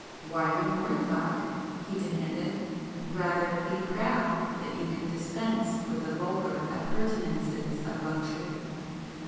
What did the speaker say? "Why be mortified?" he demanded. "Rather be proud that you can dispense with the vulgar appurtenances of luxury.